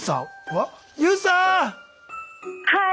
はい！